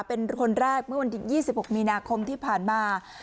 เป็นคนแรกเมื่อวันที่๒๖มีนาคมที่ผ่านมา